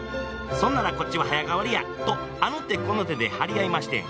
「そんならこっちは早変わりや」とあの手この手で張り合いましてん。